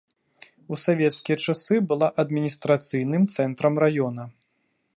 У савецкія часы была адміністрацыйным цэнтрам раёна.